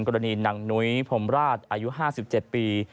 กรณีหนังหนุ้ยพรมราชอายุ๕๗ปี